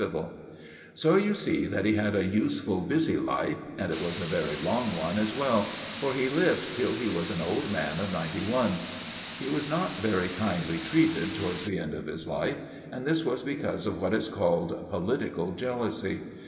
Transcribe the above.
PAUL'S CATHEDRAL: NELSON'S MONUMENT (Page 59)] So you see that he had a useful, busy life, and it was a very long one as well, for he lived till he was an old man of ninety one. He was not very kindly treated towards the end of his life, and this was because of what is called 'political jealousy.